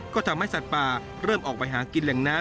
ก็ทำให้สัตว์ป่าเริ่มออกไปหากินแหล่งน้ำ